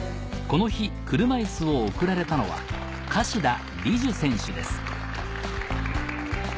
この日車いすを贈られたのは柏田稟珠選手です